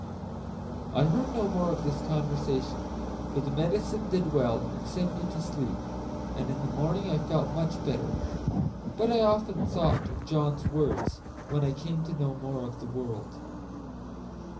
I heard no more of this conversation, for the medicine did well and sent me to sleep, and in the morning I felt much better; but I often thought of John's words when I came to know more of the world.